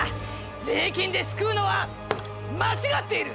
税金で救うのは間違っている！』。